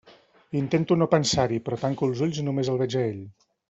Intento no pensar-hi, però tanco els ulls i només el veig a ell.